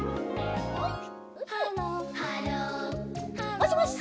もしもし？